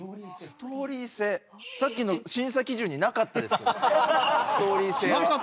さっきの審査基準になかったですよね？